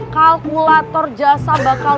kalkulator jasa bakal mulai berubah ya